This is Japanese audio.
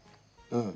うん。